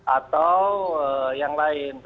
atau yang lain